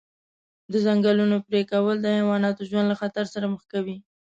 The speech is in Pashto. د ځنګلونو پرېکول د حیواناتو ژوند له خطر سره مخ کوي.